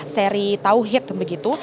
seri tauhid begitu